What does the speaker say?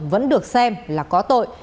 vẫn được xem là có tội